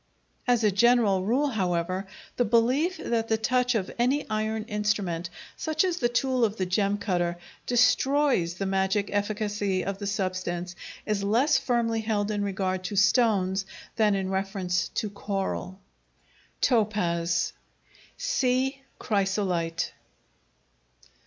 As a general rule, however, the belief that the touch of any iron instrument, such as the tool of the gem cutter, destroys the magic efficacy of the substance, is less firmly held in regard to stones than in reference to coral. Topaz See Chrysolite.